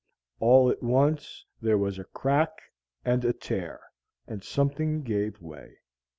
] All at once there was a crack and a tear, and something gave way.